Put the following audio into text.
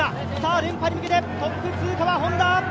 連覇に向けてトップ通過はＨｏｎｄａ。